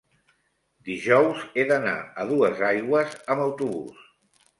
dijous he d'anar a Duesaigües amb autobús.